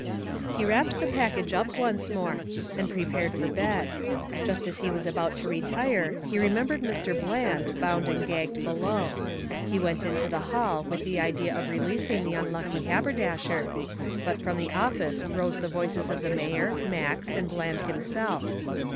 He wrapped the package up once more, and prepared for bed. Just as he was about to retire, he remembered Mr. Bland, bound and gagged below. He went into the hall with the idea of releasing the unlucky haberdasher, but from the office rose the voices of the mayor, Max, and Bland himself.